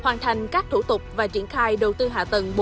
hoàn thành các thủ tục và triển khai đầu tư hạ tầng